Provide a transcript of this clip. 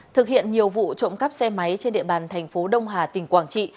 thực hiện nhiều vụ trộm cắp xe máy trên địa bàn thành phố đông hà tỉnh quảng trị